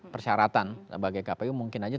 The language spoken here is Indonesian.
persyaratan sebagai capres itu mungkin aja